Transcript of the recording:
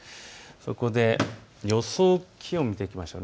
そこで予想気温を見ていきましょう。